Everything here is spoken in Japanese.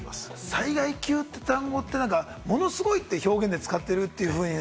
災害級って単語ってものすごいって表現で使ってるというふうに。